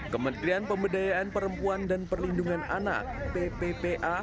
kementerian pemberdayaan perempuan dan perlindungan anak pppa